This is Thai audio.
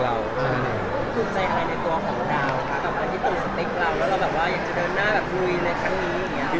หรือว่าอยากจะเดินหน้าภูมิแบบนี้